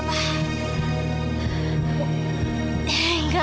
bukan sungguh itu